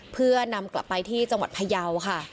เพื่อนำกลับไปที่จังหวัดพยาวค่ะ